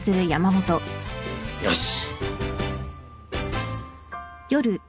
よし。